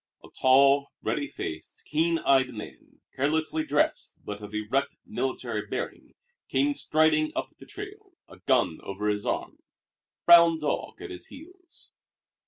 A tall, ruddy faced, keen eyed man, carelessly dressed, but of erect, military bearing, came striding up the trail, a gun over his arm, a brown dog at his heels.